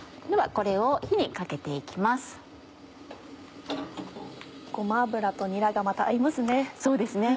ではこれを火にかけて行きます。